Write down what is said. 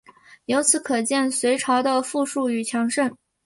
由此可见的隋朝的富庶与强盛。